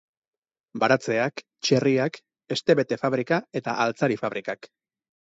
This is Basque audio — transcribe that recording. Baratzeak, txerriak, hestebete-fabrika eta altzari-fabrikak.